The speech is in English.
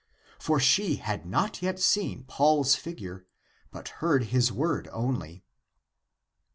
For she had not yet seen Paul's figure, but heard his word only.